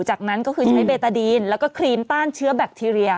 จากนั้นก็คือใช้เบตาดีนแล้วก็ครีมต้านเชื้อแบคทีเรีย